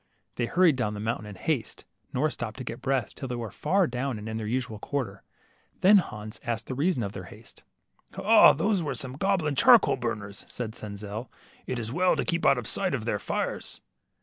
'' They hurried down the mountain in haste, nor stopped to get breath, till they were far down and in their usual quarter ; then Hans asked the reason of their haste. Ah, those were the goblin charcoal burners," said Senzel. It is well to keep out of sight of their fires."